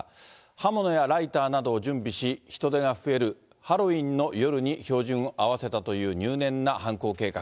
刃物やライターなどを準備し、人出が増えるハロウィーンの夜に照準を合わせたという入念な犯行計画。